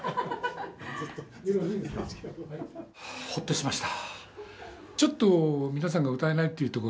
ほっとしました。